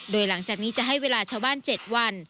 โดยหลังจากนี้จะให้เวลาชาวบ้าน๗วัน